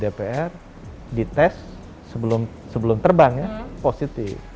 dpr dites sebelum terbang ya positif